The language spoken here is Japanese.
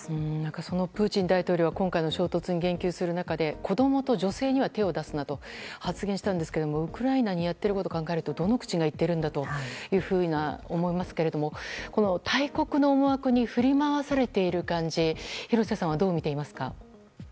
そのプーチン大統領は今回の衝突に言及する中で子供と女性には手を出すなと発言したんですがウクライナにやっていることを考えるとどの口が言っているんだというふうに思いますがこの大国の思惑に振り回されている感じ廣瀬さんはどうみていますか。